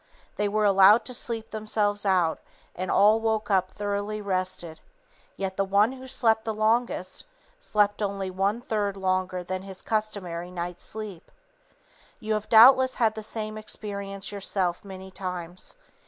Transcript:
They were allowed to sleep themselves out, and all woke up thoroughly rested. Yet the one who slept the longest slept only one third longer than his customary night's sleep. You have doubtless had the same experience yourself many times.